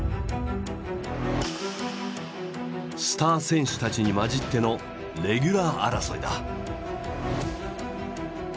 スター選手たちに交じってのレギュラー争いだ。